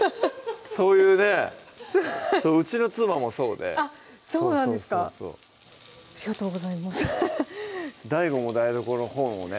そういうねうちの妻もそうであっそうなんですかありがとうございますＤＡＩＧＯも台所の本をね